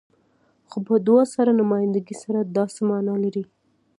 خو په دوه سري نمايندګۍ سره دا څه معنی لري؟